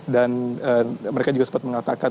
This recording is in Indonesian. dan mereka juga sempat mengatakan